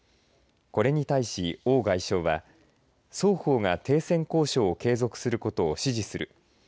これに対し、王外相は双方が停戦交渉を継続することを支持する。